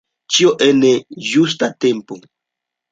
Ĉio en ĝusta tempo.